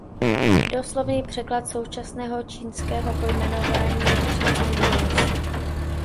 Doslovný překlad současného čínského pojmenování je „příznivý les“.